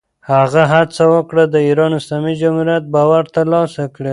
هغه هڅه وکړه، د ایران اسلامي جمهوریت باور ترلاسه کړي.